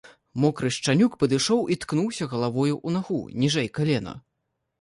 Мокры шчанюк падышоў і ткнуўся галавою ў нагу, ніжэй калена.